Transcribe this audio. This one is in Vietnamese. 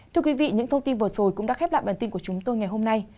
thưa quý vị những thông tin vừa rồi cũng đã khép lại bản tin của chúng tôi ngày hôm nay